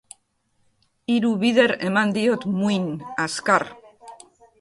Hiru bider eman diot muin, azkar.